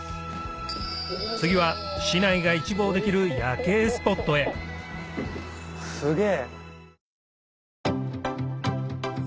次は市内が一望できる夜景スポットへすげぇ。